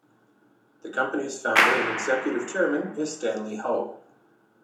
The company's founder and executive chairman is Stanley Ho.